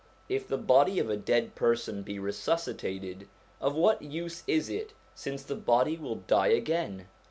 If the body of a dead person be resuscitated, of what use is it since the body will die again